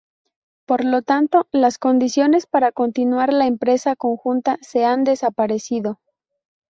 Por lo tanto, las condiciones para continuar la empresa conjunta se han desaparecido.